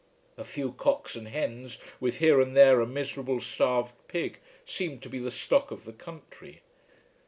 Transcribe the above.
A few cocks and hens with here and there a miserable, starved pig seemed to be the stock of the country.